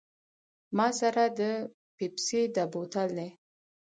ما سره د پیپسي دا بوتل دی.